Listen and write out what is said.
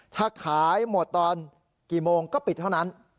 ถ้าขายหมดตอนกี่โมงก็ปิดเท่านั้น